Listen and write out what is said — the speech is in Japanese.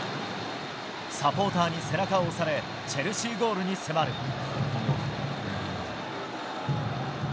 サポーターに背中を押されチェルシーゴールに迫る。